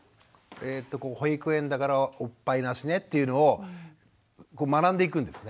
保育園だからおっぱいなしねっていうのを学んでいくんですね。